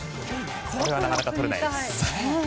これは、なかなかとれないです。